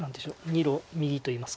２路右といいますか。